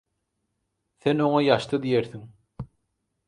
Sen oňa ýaşdy diýersiň